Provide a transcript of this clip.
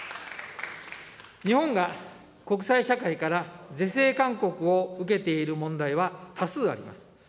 日本が国際社会から是正勧告を受けている問題は多数あります。